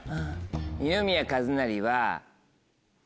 二宮和也は。